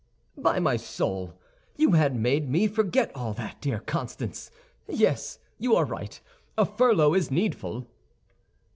"By my soul, you had made me forget all that, dear Constance! Yes, you are right; a furlough is needful."